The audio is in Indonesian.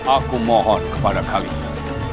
aku mohon kepada kalian